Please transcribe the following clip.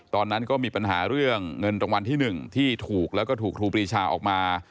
ตอนนั้นก็มีปัญหาเรื่องเงินรางวัลที่๑ที่ถูกแล้วก็ถูกครูปรีชาออกมา